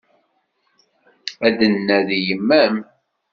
Ad d-nnadi yemma-m.